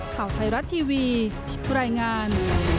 ข่าวไทยรัฐทีวีรายงาน